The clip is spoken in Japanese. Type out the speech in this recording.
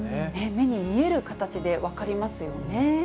目に見える形で分かりますよね。